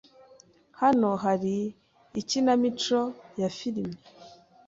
Hano hari ikinamico ya firime.